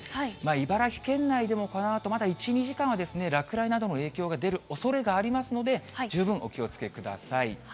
茨城県内でもこのあとまだ１、２時間は落雷などの影響が出るおそれがありますので、十分お気をつけください。